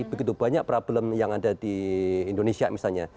begitu banyak problem yang ada di indonesia misalnya